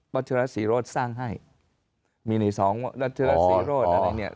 รัฐธรรทรีย์โรสสร้างให้มีหน่อยสองรัฐธรรทรีย์โรส